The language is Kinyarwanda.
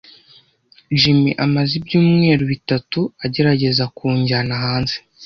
Jim amaze ibyumweru bitatu agerageza kunjyana hanze.